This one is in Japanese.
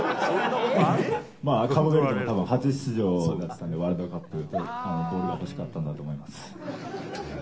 まあカーボベルデも初出場だったので、ワールドカップ、ボールが欲しかったんだと思います。